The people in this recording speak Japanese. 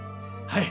はい。